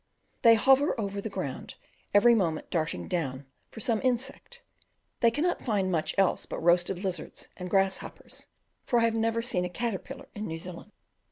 They hover over the ground, every moment darting down, for some insect. They cannot find much else but roasted lizards and, grasshoppers, for I have never seen a caterpillar in New Zealand.